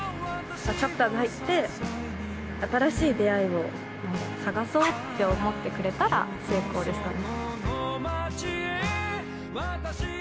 チャプターズに入って新しい出会いを探そうって思ってくれたら成功ですかね。